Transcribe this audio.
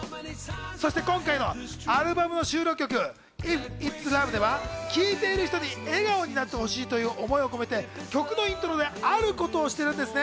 そして今回のアルバムの収録曲『ＩｆＩｔ’ｓＬｏｖｅ』では聞いている人に笑顔になってほしいという思いを込めて曲のイントロであることをしているんですね。